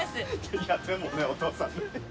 いや、でもね、お父さん。